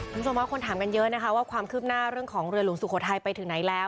คุณผู้ชมว่าคนถามกันเยอะนะคะว่าความคืบหน้าเรื่องของเรือหลวงสุโขทัยไปถึงไหนแล้ว